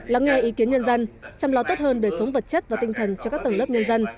lắng nghe ý kiến nhân dân chăm lo tốt hơn đời sống vật chất và tinh thần cho các tầng lớp nhân dân